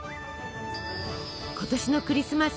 今年のクリスマス。